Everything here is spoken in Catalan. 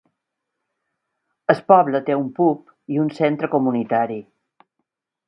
El poble té un pub i un centre comunitari.